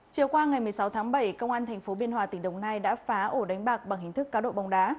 chiều qua ngày một mươi sáu tháng bảy công an thành phố biên hòa tỉnh đồng nai đã phá ổ đánh bạc bằng hình thức cáo độ bóng đá